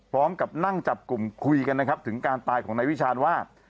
พร้อมกับนั่งจับกลุ่มคุยกันนะครับถึงการตายของนายวิชาณว่า